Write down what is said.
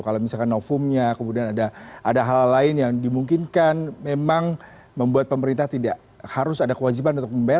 kalau misalkan novumnya kemudian ada hal lain yang dimungkinkan memang membuat pemerintah tidak harus ada kewajiban untuk membayar